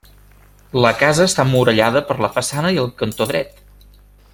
La casa està emmurallada per la façana i al cantó dret.